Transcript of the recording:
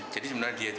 jadi sebenarnya dia itu